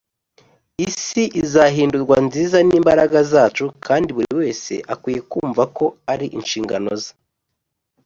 Isi izahindurwa nziza n’imbaraga zacu kandi buri wese akwiye kumva ko ari inshingano ze